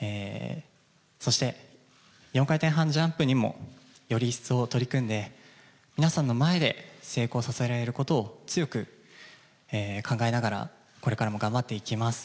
そして４回転半ジャンプにもより一層取り組んで、皆さんの前で成功させられることを、強く考えながらこれからも頑張っていきます。